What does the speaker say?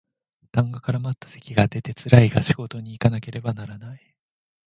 痰が絡まった咳が出てつらいが仕事にいかなければならない